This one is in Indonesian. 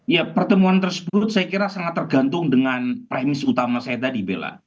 ya pertemuan tersebut saya kira sangat tergantung dengan premis utama saya tadi bella